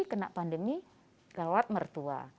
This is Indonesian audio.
kena pandemi lewat mertua